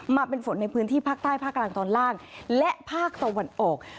มาเป็นฝนในพื้นที่ภาคใต้ภาคกลางตอนล่างและภาคตะวันออก